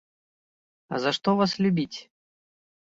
А за што вас любіць?